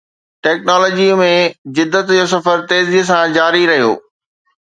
ٽيڪنالاجيءَ ۾ جدت جو سفر تيزيءَ سان جاري رهيو